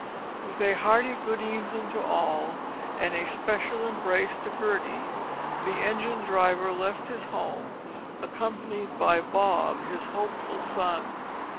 With a hearty good evening to all, and a special embrace to Gertie, the engine driver left his home, accompanied by Bob his hopeful son.